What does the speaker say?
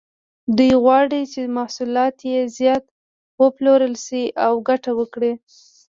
دوی غواړي چې محصولات یې زیات وپلورل شي او ګټه وکړي.